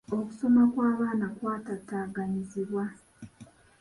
Okusoma kw'abaana kw'ataataaganyizibwa.